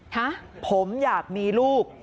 ฮะผมอยากมีลูก